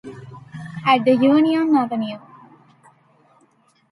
At the Union Avenue.